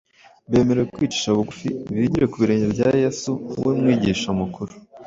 bemere kwicisha bugufi bigire ku birenge bya Yesu we Mwigisha mukuru.